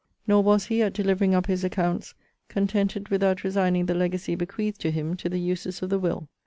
Nor was he, at delivering up his accounts, contented without resigning the legacy bequeathed to him, to the uses of the will.